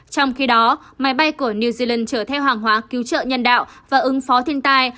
trong khi đó máy bay của new zealand chở theo hàng hóa cứu trợ nhân đạo và ứng phó thiên tai